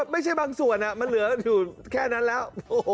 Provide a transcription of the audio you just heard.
ไม่ใช่บางส่วนมันเหลืออยู่แค่นั้นแล้ว